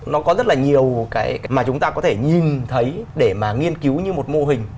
nó có rất là nhiều cái mà chúng ta có thể nhìn thấy để mà nghiên cứu như một mô hình